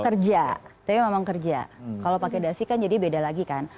kerja tapi memang kerja kalau pakai dasi kan jadi beda lagi kan